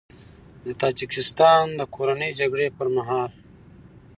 د تاجیکستان د کورنۍ جګړې پر مهال